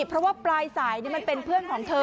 เพราะว่าปลายสายมันเป็นเพื่อนของเธอ